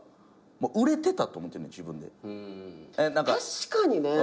確かにね。